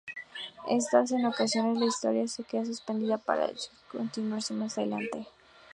Esto hace que en ocasiones la historia se queda suspendida para continuarse más adelante.